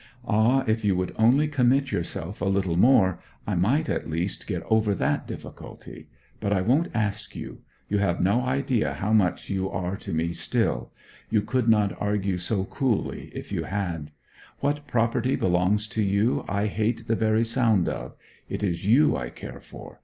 Ah, if you would only commit yourself a little more, I might at least get over that difficulty! But I won't ask you. You have no idea how much you are to me still; you could not argue so coolly if you had. What property belongs to you I hate the very sound of; it is you I care for.